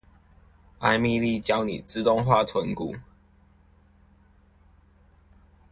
艾蜜莉教你自動化存股